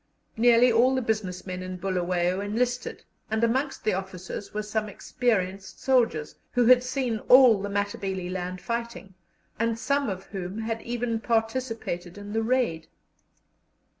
Nearly all the business men in Bulawayo enlisted, and amongst the officers were some experienced soldiers, who had seen all the Matabeleland fighting, and some of whom had even participated in the Raid.